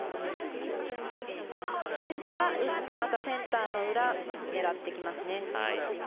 スイスは打って、またセンターの裏を狙ってきますね。